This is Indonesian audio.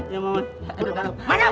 ya mamat ada di dalam